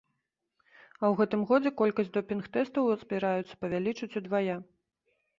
А ў гэтым годзе колькасць допінг тэстаў збіраюцца павялічыць удвая.